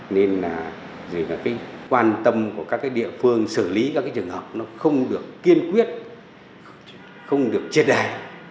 nên là vì quan tâm của các địa phương xử lý các trường hợp nó không được kiên quyết không được triệt hải